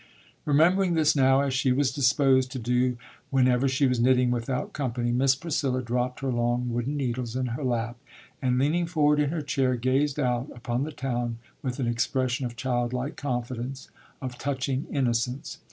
Remembering this now, as she was disposed to do whenever she was knitting without company, Miss Priscilla dropped her long wooden needles in her lap, and leaning forward in her chair, gazed out upon the town with an expression of child like confidence, of touching innocence.